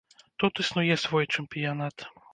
Тут існуе свой чэмпіянат.